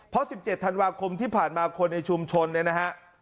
เพราะ๑๗ธันวาคมที่ผ่านมาคนในชุมชนเนี่ยนะฮะ